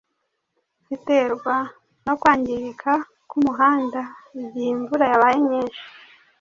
ziterwa no kwangirika k’umuhanda igihe imvura yabaye nyinshi